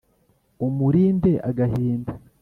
Umulinde agahinda